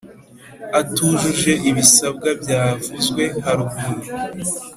atujuje ibisabwa byavuzwe haruguru